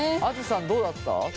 あづさんどうだった？